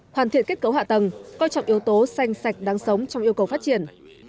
hoàn thiện kết cấu hạ tầng coi trọng yếu tố xanh sạch đáng sống trong yêu cầu phát triển